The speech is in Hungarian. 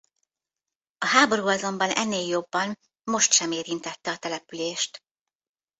A háború azonban ennél jobban most sem érintette a települést.